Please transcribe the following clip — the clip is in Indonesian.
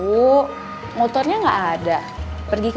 itu mah udah jelas